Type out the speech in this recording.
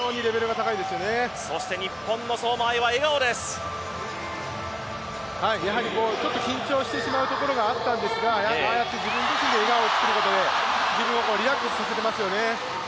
そして日本の相馬あいはちょっと緊張してしまうところがあったんですがああやって自分自身で笑顔を作ることで、自分をリラックスさせてますよね。